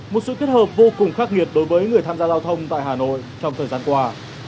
một sự kết hợp vô cùng khắc nghiệt đối với người tham gia giao thông tại hà nội trong thời gian qua